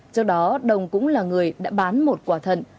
trước đó đồng cũng là người đã bán một quả thận